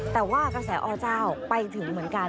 แต่ว่ากระแสอเจ้าไปถึงเหมือนกัน